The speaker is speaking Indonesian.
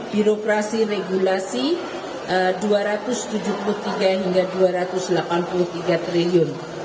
birokrasi regulasi rp dua ratus tujuh puluh tiga hingga rp dua ratus delapan puluh tiga triliun